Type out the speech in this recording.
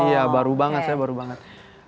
iya baru banget saya baru banget